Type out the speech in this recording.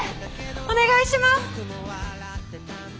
お願いします！